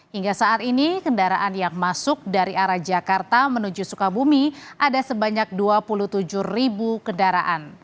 hingga saat ini kendaraan yang masuk dari arah jakarta menuju sukabumi ada sebanyak dua puluh tujuh ribu kendaraan